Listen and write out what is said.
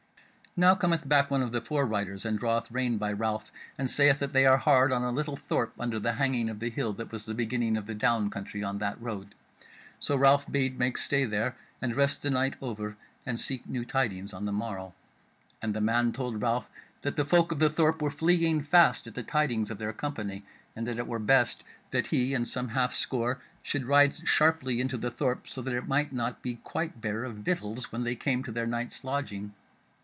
Now cometh back one of the fore riders and draweth rein by Ralph and saith that they are hard on a little thorp under the hanging of the hill that was the beginning of the Down country on that road. So Ralph bade make stay there and rest the night over, and seek new tidings on the morrow; and the man told Ralph that the folk of the thorp were fleeing fast at the tidings of their company, and that it were best that he and some half score should ride sharply into the thorp, so that it might not be quite bare of victuals when they came to their night's lodging.